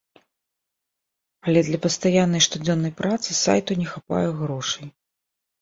Але для пастаяннай штодзённай працы сайту не хапае грошай.